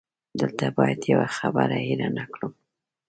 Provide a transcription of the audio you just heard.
دلته باید یوه خبره هېره نه کړم.